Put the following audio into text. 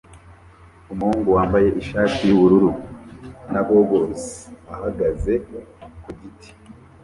Umuhungu wambaye ishati yubururu na goggles ahagaze ku giti